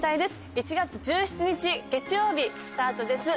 １月１７日月曜日スタートです。